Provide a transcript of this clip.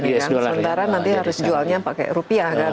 sementara nanti harus jualnya pakai rupiah kan